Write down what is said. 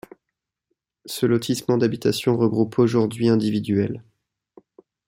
Ce lotissement d'habitations regroupe aujourd'hui individuelles.